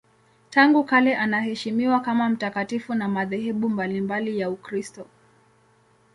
Tangu kale anaheshimiwa kama mtakatifu na madhehebu mbalimbali ya Ukristo.